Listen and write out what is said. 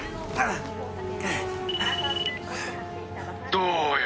「どうよ？